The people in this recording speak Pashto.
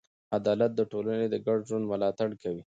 عدالت د ټولنې د ګډ ژوند ملاتړ کوي.